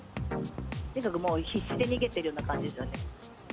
とにかくもう必死で逃げているような感じでしたね。